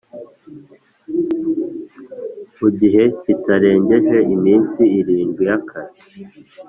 Mu gihe kitarengeje iminsi irindwi y akazi